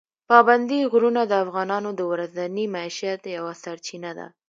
پابندي غرونه د افغانانو د ورځني معیشت یوه سرچینه ده.